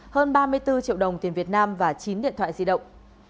hơn ba mươi bốn triệu đồng tiền việt nam và chín điện thoại di động